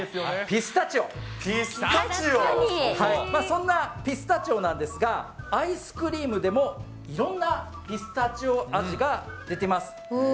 そんなピスタチオなんですが、アイスクリームでも、いろんなピスタチオ味が出てます。